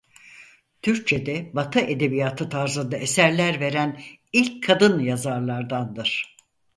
Türkçede Batı edebiyatı tarzında eserler veren ilk kadın yazarlardandır.